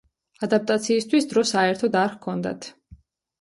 ადაპტაციისთვის დრო საერთოდ არ ჰქონდათ.